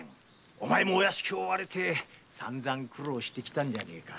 お前もお屋敷を追われて散々苦労してきたんじゃねえか。